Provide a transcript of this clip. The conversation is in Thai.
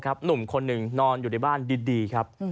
หนุ่มคนหนึ่งนอนอยู่ในบ้านดีครับ